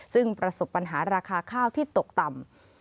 ซึ่งประสบปัญหาราคาข้าวที่ตกต่ำ